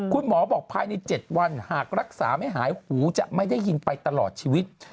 คุณหมอบอกภายใน๗วันหากรักษาไม่หายหูจะไม่ได้ยินไปตลอดชีวิต